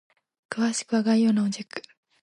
詳しくは概要欄をチェック！